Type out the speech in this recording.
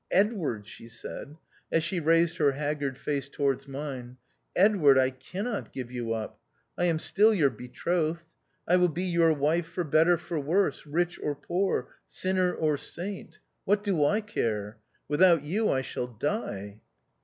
" Edward," she said, as she raised her haggard face towards mine, " Edward, I cannot give you up. I am still your betrothed. I will be your wife for better for worse, rich or poor, sinner or saint — what do I care ? Without you I shall die."